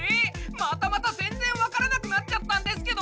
またまた全然わからなくなっちゃったんですけど！